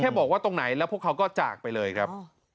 บอกว่าตรงไหนแล้วพวกเขาก็จากไปเลยครับ